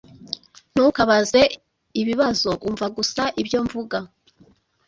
Ntukabaze ibibazo. Umva gusa ibyo mvuga.